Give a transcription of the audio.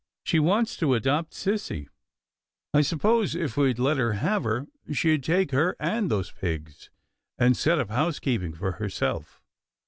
She wants to adopt sissy. I s'pose if we'd let her have her, she'd take her and those pigs, and set up housekeeping for herself."